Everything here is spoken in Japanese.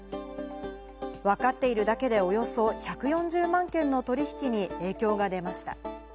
わかっているだけで、およそ１４０万件の取引に影響が出ました。